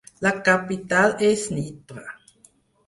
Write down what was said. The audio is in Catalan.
La capital és Nitra.